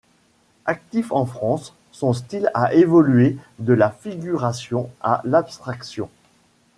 Actif en France, son style a évolué de la figuration à l'abstraction.